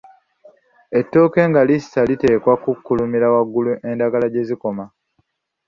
Ettooke nga lissa liteekwa kukulumira waggulu endagala gye zikoma.